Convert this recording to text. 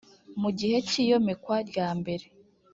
mu gihe cy iyomekwa ryambere